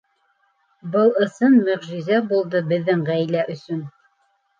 Был ысын мөғжизә булды беҙҙең ғаилә өсөн.